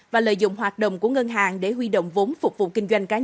và lợi dụng hoạt động của ngân hàng để huy động vốn phục vụ kinh doanh cá nhân